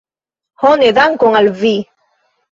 Ho ne dankon al vi!